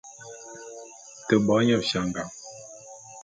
Te bo nye fianga.